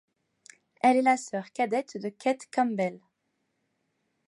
Elle est la sœur cadette de Cate Campbell.